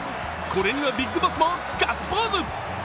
これにはＢＩＧＢＯＳＳもガッツポーズ。